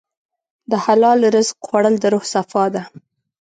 د حلال رزق خوړل د روح صفا ده.